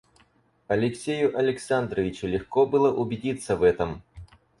Алексею Александровичу легко было убедиться в этом.